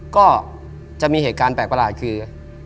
ก็จะมีเหตุการณ์แปลกคือ